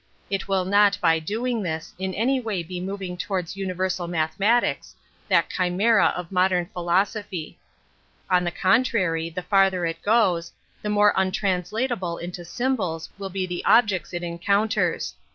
It will not, by doing this, in any way be moving to wards universal mathematics, that chimera 72 An Introduction to a^7t^^^| of modern philosophy. On the contrary, 1 farther it goes, the more untranslatable into eymbola will be the objects it en counters.